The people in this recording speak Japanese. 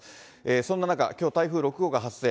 そんな中、きょう台風６号が発生。